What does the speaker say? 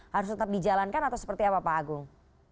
harus tetap di jalankan atau seperti apa pak agung